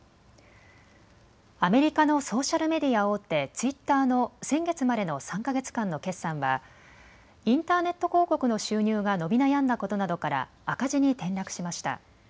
アメリカのソーシャルメディア大手、ツイッターの先月までの３か月間の決算はインターネット広告の収入が伸び悩んだことなどから赤字に転落しました。